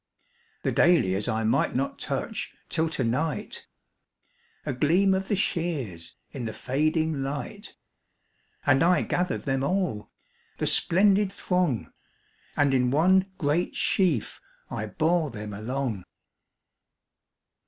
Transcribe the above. The dahlias I might not touch till to night!A gleam of the shears in the fading light, And I gathered them all,—the splendid throng, And in one great sheaf I bore them along..